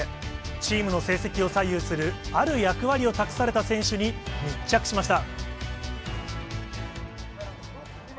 チームの成績を左右するある役割を託された選手に密着しました。